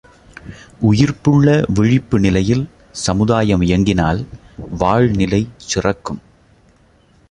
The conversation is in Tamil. உயிர்ப்புள்ள விழிப்பு நிலையில் சமுதாயம் இயங்கினால் வாழ்நிலை சிறக்கும்.